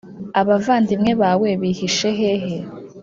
abavandimwe bawe bihishe hehe